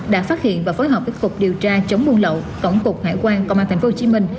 đã phát hiện và phối hợp với cục điều tra chống buôn lậu tổng cục hải quan công an tp hcm